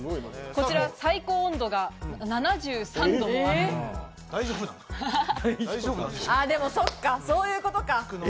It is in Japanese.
こちら最高温度が７３度でも、そっか、そういうことか。